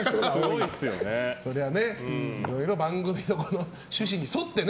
いろいろ番組の趣旨に沿ってね。